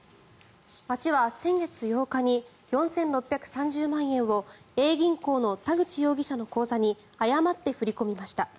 町は先月８日に４６３０万円をＡ銀行の田口容疑者の口座に誤って振り込みました。